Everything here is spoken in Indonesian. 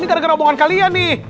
ini karena keromongan kalian nih